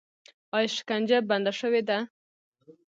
آیا شکنجه بنده شوې ده؟